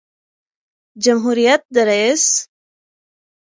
جمهوریت د رئیس